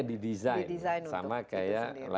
didesain sama kayak